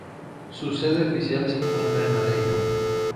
Su sede oficial se encuentra en Madrid.